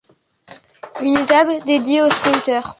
Une étape dédiée aux sprinteurs.